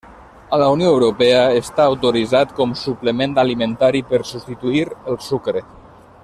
A la Unió Europea està autoritzat com suplement alimentari per substituir el sucre.